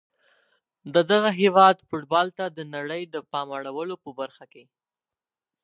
د دغه هیواد فوتبال ته د نړۍ د پام اړولو په برخه کې